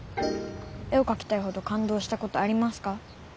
絵をかきたいほどかんどうしたことありますか？